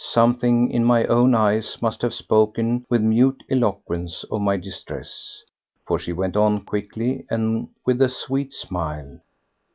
Something in my own eyes must have spoken with mute eloquence of my distress, for she went on quickly and with a sweet smile.